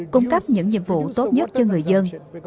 cung cấp những nhiệm vụ tốt nhất cho người dân